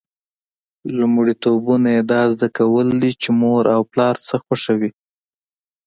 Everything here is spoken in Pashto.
لومړیتوبونه یې دا زده کول دي چې مور او پلار څه خوښوي.